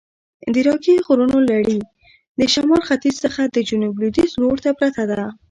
د راکي غرونو لړي د شمال ختیځ څخه د جنوب لویدیځ لورته پرته ده.